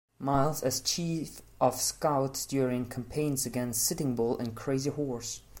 Miles as chief of scouts during campaigns against Sitting Bull and Crazy Horse.